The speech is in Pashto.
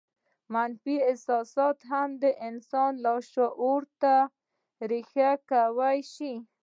منفي احساسات هم د انسان لاشعور ته رېښې کولای شي